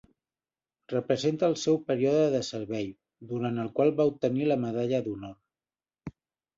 Representa el seu període de servei, durant el qual va obtenir la Medalla d'Honor.